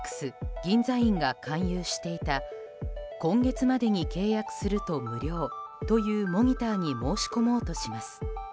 銀座院が勧誘していた今月までに契約すると無料というモニターに申し込みます。